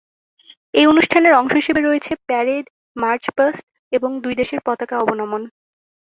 এই অনুষ্ঠানের অংশ হিসেবে রয়েছে প্যারেড, মার্চ-পাস্ট এবং দুই দেশের পতাকা অবনমন।